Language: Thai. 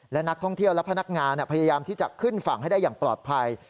และนักท่องเที่ยวและพนักงานพยายามที่จะขึ้นฝั่งให้ได้อย่างปลอดภัย